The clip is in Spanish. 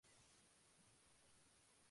Su relación con el amor, el sexo, la vida.